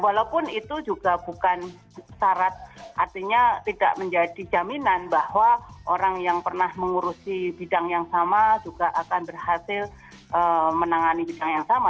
walaupun itu juga bukan syarat artinya tidak menjadi jaminan bahwa orang yang pernah mengurusi bidang yang sama juga akan berhasil menangani bidang yang sama